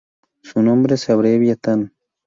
Su nombre se abrevia tan.